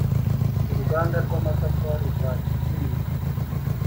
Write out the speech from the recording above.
uruganda rw amatafari rwa kinyinya